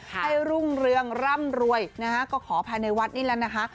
รุ่งเรืองร่ำรวยนะฮะก็ขอภายในวัดนี่แหละนะคะ